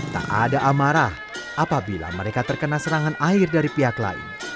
tak ada amarah apabila mereka terkena serangan air dari pihak lain